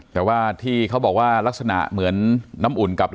แต่ว่าที่เขาบอกว่าลักษณะเหมือนน้ำอุ่นกับ